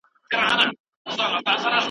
د طبي تېروتنو مخنیوی څنګه کیږي؟